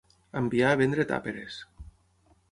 Enviar a vendre tàperes.